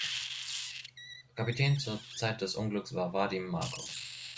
Kapitän zur Zeit des Unglücks war Wadim Markow.